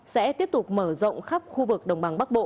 sẽ tiếp tục mở rộng khắp khu vực đồng bằng bắc bộ